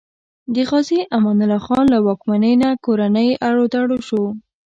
د غازي امان الله خان له واکمنۍ نه کورنی اړو دوړ شو.